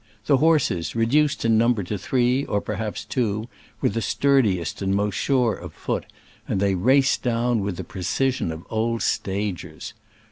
The horses, reduced in number to three, or perhaps two, were the sturdiest and most sure of foot, and they raced down with the precision of old stagers.